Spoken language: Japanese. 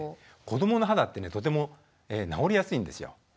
こどもの肌ってねとても治りやすいんですよ。